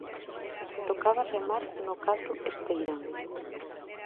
Tocaba remar no cadro esteirán.